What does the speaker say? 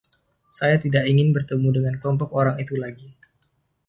Saya tidak ingin bertemu dengan kelompok orang itu lagi.